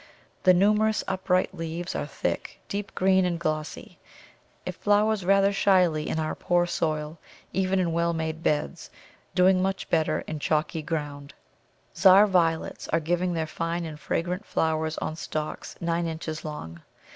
The numerous upright leaves are thick, deep green, and glossy. It flowers rather shyly in our poor soil, even in well made beds, doing much better in chalky ground. Czar Violets are giving their fine and fragrant flowers on stalks nine inches long.